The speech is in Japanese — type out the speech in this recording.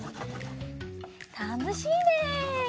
たのしいね！